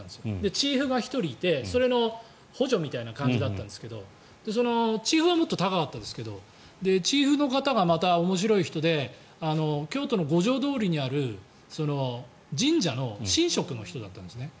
チーフが１人いてそれの補助みたいな感じだったんですけどチーフはもっと高かったんですがチーフの方がまた面白い人で京都の五条通にある神社の神職の人だったんですね。